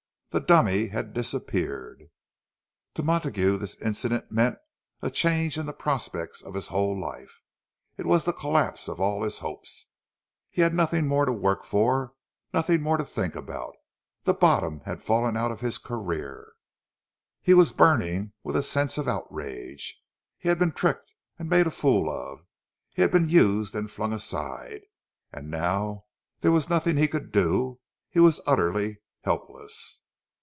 The dummy had disappeared! To Montague this incident meant a change in the prospect of his whole life. It was the collapse of all his hopes. He had nothing more to work for, nothing more to think about; the bottom had fallen out of his career! He was burning with a sense of outrage. He had been tricked and made a fool of; he had been used and flung aside. And now there was nothing he could do—he was utterly helpless.